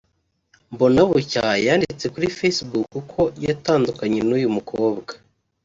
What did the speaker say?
Mbonabucya yanditse kuri facebook ko yatandukanye n’uyu mukobwa